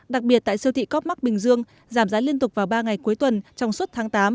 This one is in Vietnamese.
đặc biệt tại siêu thị copmark bình dương giảm giá liên tục vào ba ngày cuối tuần trong suốt tháng tám